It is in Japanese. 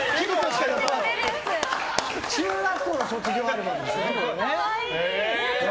中学校の卒業アルバム。